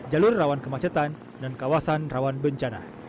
jalur rawan kemacetan dan kawasan rawan bencana